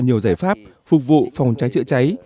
nhiều giải pháp phục vụ phòng cháy chữa cháy